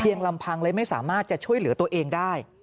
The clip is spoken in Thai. เพียงลำพังไม่สามารถช่วยเหลือตัวเองได้